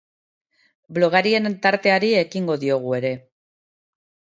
Blogarien tarteari ekingo diogu ere.